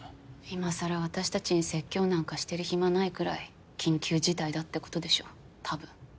今更私たちに説教なんかしてる暇ないくらい緊急事態だってことでしょ多分。